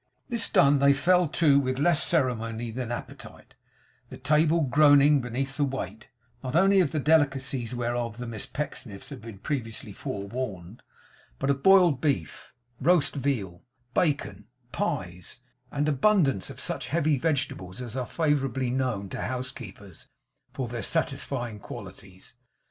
This done, they fell to with less ceremony than appetite; the table groaning beneath the weight, not only of the delicacies whereof the Miss Pecksniffs had been previously forewarned, but of boiled beef, roast veal, bacon, pies and abundance of such heavy vegetables as are favourably known to housekeepers for their satisfying qualities.